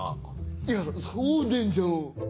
いやそうでしょう。